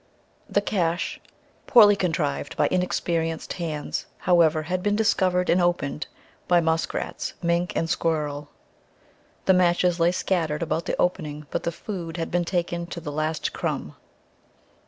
The cache, poorly contrived by inexperienced hands, however, had been discovered and opened by musk rats, mink and squirrel. The matches lay scattered about the opening, but the food had been taken to the last crumb.